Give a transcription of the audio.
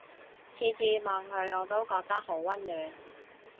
次次望佢我都覺得好溫暖